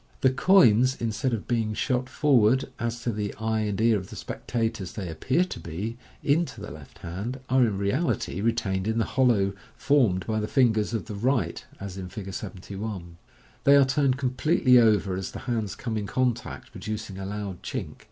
The coins, instead of being shot forward (as to the eye and ear of the spectators they appear to be) into the left hand, are, in reality, retained in the hol low formed by the fingers of the right, as in Fig. 71. They are turned com pletely over as the hands come in contact, producing a loud chink.